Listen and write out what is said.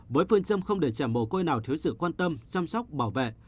với phương châm không để trẻ mồ côi nào thiếu sự quan tâm chăm sóc bảo vệ